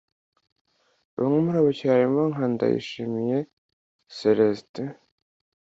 Bamwe muri abo bakinnyi harimo nka Ndayishimiye Celestin (Evra)